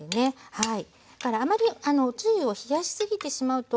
はい。